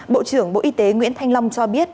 bộ trưởng bộ y tế nguyễn thanh long cho biết